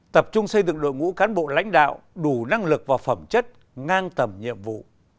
tập trung xây dựng đội ngũ cán bộ lãnh đạo đủ năng lực và phẩm chất ngang tầm nhiệm vụ